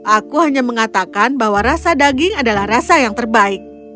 aku hanya mengatakan bahwa rasa daging adalah rasa yang terbaik